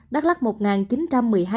đắk lắc một chín trăm một mươi hai ca